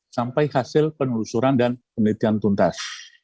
sampai hasil penelusuran dan penelitian tuntas